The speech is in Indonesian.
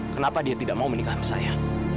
kenapa dia tidak mau menikah sama saya